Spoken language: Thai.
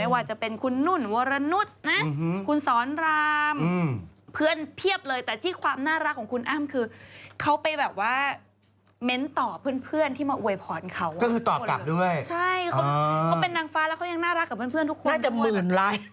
เขาเป็นนางฟ้าและเขายังน่ารักกับเพื่อนทุกคน